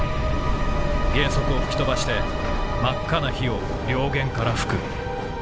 舷側を吹き飛ばして真赤な火を両舷から吹く。